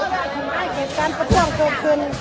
สวัสดีครับทุกคน